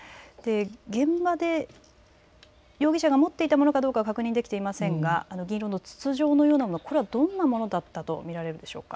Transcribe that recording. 現場で容疑者が持っていたものかどうか確認できていませんが銀色の筒状のようなもの、これはどんなものだったと見られるでしょうか。